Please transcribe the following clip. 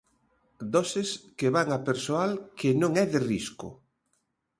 Doses que van a persoal que non é de risco.